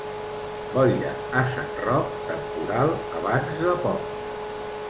Boira a Sant Roc, temporal abans de poc.